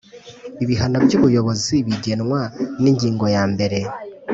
ibihano by ubuyobozi bigenwa n ingingo ya mbere